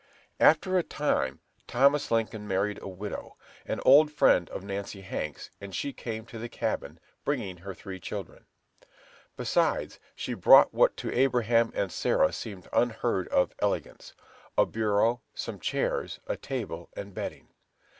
After a time Thomas Lincoln married a widow, an old friend of Nancy Hanks, and she came to the cabin, bringing her three children; besides, she brought what to Abraham and Sarah seemed unheard of elegance, a bureau, some chairs, a table, and bedding.